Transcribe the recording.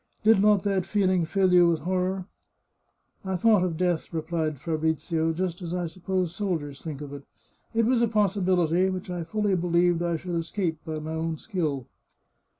Did not that feeling fill you with horror ?"" I thought of death," replied Fabrizio, " just as I sup pose soldiers think of it. It was a possibility, which I fully believed I should escape by my own skill."